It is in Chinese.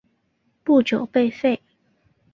不久被废。